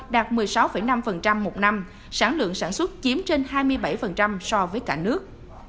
đạt một mươi sáu năm một năm sản lượng sản xuất chiếm trên hai mươi bảy so với cả nước